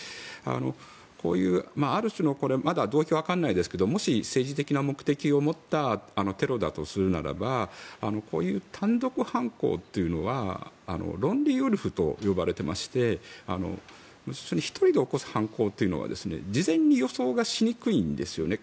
こういう、ある種のまだ動機はわからないですがもし政治的な目的を持ったテロだとするならばこういう単独犯行というのはロンリーウルフと呼ばれていまして１人で起こす犯行というのは事前に予想がしにくいんですよね。